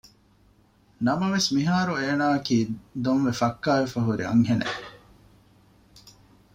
ނަމަވެސް މިހާރު އޭނާއަކީ ދޮންވެ ފައްކާވެފައި ހުރި އަންހެނެއް